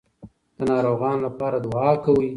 د ناروغانو لپاره دعا کوئ.